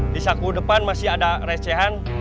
di saku depan masih ada recehan